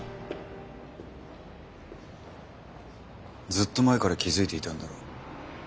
ずっと前から気付いていたんだろう。